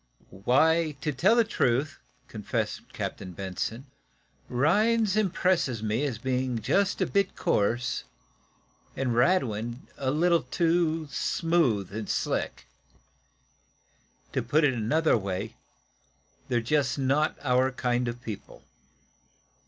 "Why, to tell the truth," confessed Captain Benson, "Rhinds impresses me as being just a bit coarse, and Radwin a little too smooth and slick. To put it another way, they're not just our kind of people.